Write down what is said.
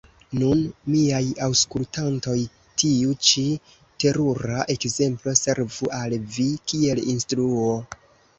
Nun, miaj aŭskultantoj, tiu ĉi terura ekzemplo servu al vi kiel instruo!